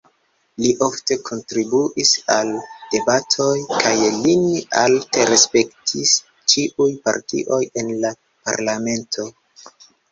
Li ofte kontribuis al debatoj, kaj lin alte respektis ĉiuj partioj en la parlamento.